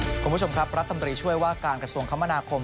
คุณผู้ชมครับรัฐมนตรีช่วยว่าการกระทรวงคมนาคม